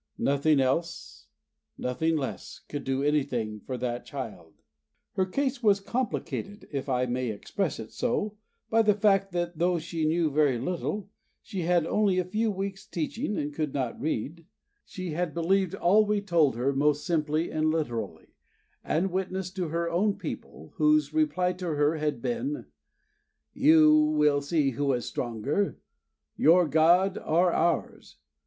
Nothing else, nothing less, could do anything for that child. Her case was complicated, if I may express it so, by the fact that though she knew very little she had only had a few weeks' teaching and could not read she had believed all we told her most simply and literally, and witnessed to her own people, whose reply to her had been: "You will see who is stronger, your God or ours!